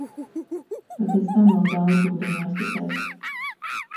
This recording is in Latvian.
Bet līdz tam vēl daudz ūdeņu aiztecēs.